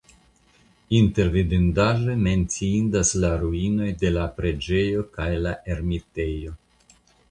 Inter vidindaĵoj menciindas la ruinoj de la preĝejo kaj la ermitejo.